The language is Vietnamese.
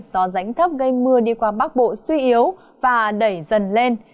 gió rãnh thấp gây mưa đi qua bắc bộ suy yếu và đẩy dần lên